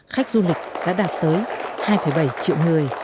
khách du lịch đã đạt tới hai bảy triệu người